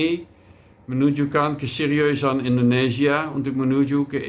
indeks ekonomi hijau ini menunjukkan keseriosan indonesia untuk menuju ke ekonomi hijau